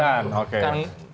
tiga hari sebelumnya